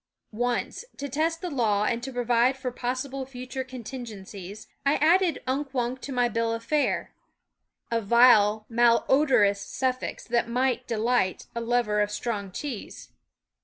Once, to test the law and to provide for possible future contingencies, I added Unk Wunk to my bill of fare a vile, malodorous ^ SCHOOL OF suffix that might delight a lover of strong cheese.